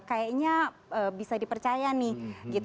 kayaknya bisa dipercaya nih gitu